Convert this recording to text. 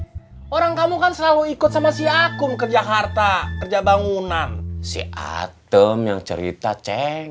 kamu tahu dari mana doi orang kamu kan selalu ikut sama si akum kerja harta kerja bangunan si atom yang cerita ceng